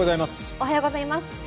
おはようございます。